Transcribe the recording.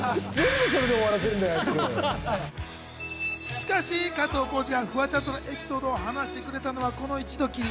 しかし加藤浩次がフワちゃんとのエピソードを話してくれたのこの一度きり。